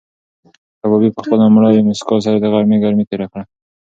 کبابي په خپله مړاوې موسکا سره د غرمې ګرمي تېره کړه.